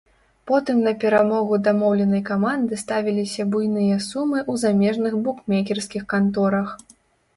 Потым на перамогу дамоўленай каманды ставіліся буйныя сумы ў замежных букмекерскіх канторах.